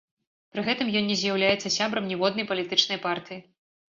Пры гэтым ён не з'яўляецца сябрам ніводнай палітычнай партыі.